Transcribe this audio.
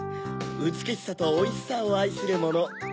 うつくしさとおいしさをあいするもの。